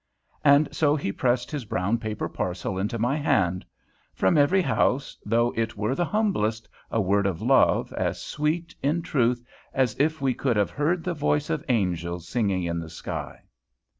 And so he pressed his brown paper parcel into my hand. From every house, though it were the humblest, a word of love, as sweet, in truth, as if we could have heard the voice of angels singing in the sky.